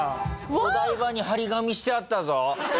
お台場に貼り紙してあったぞ！